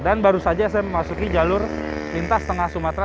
dan baru saja saya memasuki jalur lintas tengah sumatera